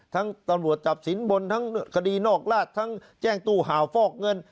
ทั้งตลวจจับศีลบนทั้งคดีโนฑราชทั้งแจ้งตู้เห่าฟอกเงิน